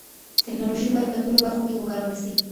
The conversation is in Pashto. تکنالوژي باید په ټولو برخو کي وکارول سي.